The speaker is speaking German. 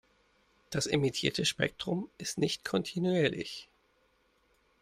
Das emittierte Spektrum ist nicht kontinuierlich.